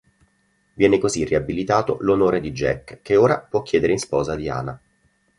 Viene così riabilitato l’onore di Jack, che ora può chiedere in sposa Diana.